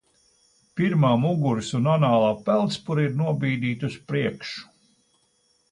Pirmā muguras un anālā peldspura ir nobīdītas uz priekšu.